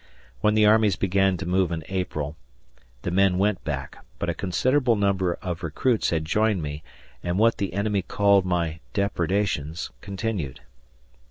When the armies began to move in April, the men went back, but a considerable number of recruits had joined me, and what the enemy called my "depredations" continued.